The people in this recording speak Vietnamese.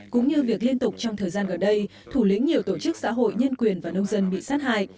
cũng như việc liên tục trong thời gian gần đây thủ lý nhiều tổ chức xã hội nhân quyền và nông dân bị sát hại